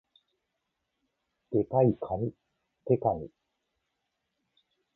デカいかに、デカニ